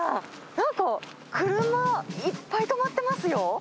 なんか車いっぱい止まってますよ。